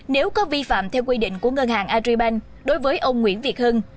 nếu có vi phạm theo quy định của ngân hàng aribank đối với ông nguyễn việt hưng